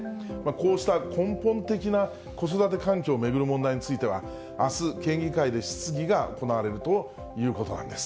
こうした根本的な子育て環境を巡る問題については、あす、県議会で質疑が行われるということなんです。